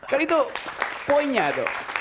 kan itu poinnya tuh